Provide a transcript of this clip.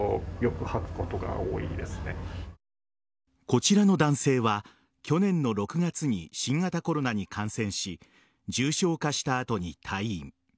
こちらの男性は去年の６月に新型コロナに感染し重症化した後に退院。